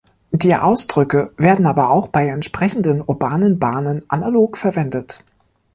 Die Ausdrücke werden aber auch bei entsprechenden urbanen Bahnen analog verwendet.